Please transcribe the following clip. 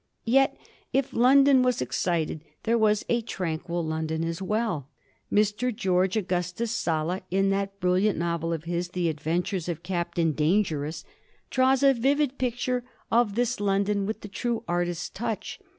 Yet, if London was excited, there was a tranquil Lon don as well. Mr. George Augustus Sala, in that brilliant novel of his, "The Adventures of Captain Dangerous," draws a vivid picture of this London with the true artist touch.